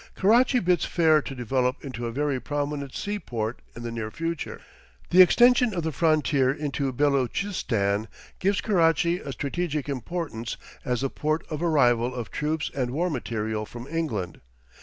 Karachi bids fair to develop into a very prominent sea port in the near future. The extension of the frontier into Beloochistan gives Karachi a strategic importance as the port of arrival of troops and war material from England.